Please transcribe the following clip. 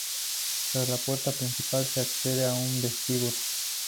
Tras la puerta principal se accede a un vestíbulo.